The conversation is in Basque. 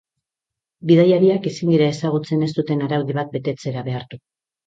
Bidaiariak ezin dira ezagutzen ez duten araudi bat betetzera behartu.